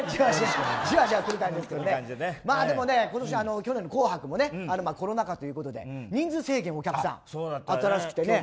でも、去年の「紅白」もコロナ禍ということで人数制限、お客さん。